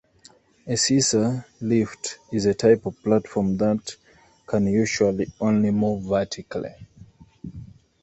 A scissor lift is a type of platform that can usually only move vertically.